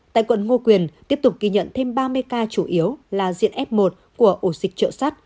tại quận ngô quyền tiếp tục ghi nhận thêm ba mươi ca chủ yếu là diện f một của ổ dịch trợ sắt